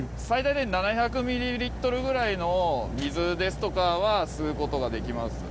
最大で７００ミリリットルぐらいの水ですとかは吸う事ができます。